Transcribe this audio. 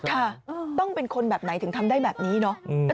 ค่ะต้องเป็นคนแบบไหนถึงทำได้แบบนี้เนอะ